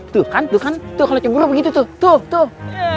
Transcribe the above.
tuh kan tuh kan tuh kalau cebur begitu tuh tuh